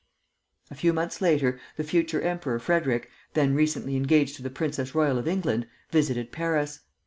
A few months later, the future Emperor Frederick, then recently engaged to the Princess Royal of England, visited Paris.